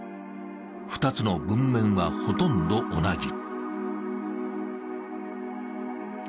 ２つの文面はほとんど同じ。